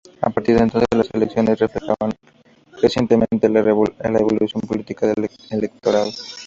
A partir de entonces, las elecciones reflejaron crecientemente la evolución política del electorado.